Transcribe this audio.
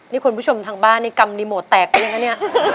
นี่คนผู้ชมบ้านในกรรมดีโหมดแตกไปแล้วเนี่ย